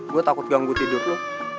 gue takut ganggu tidur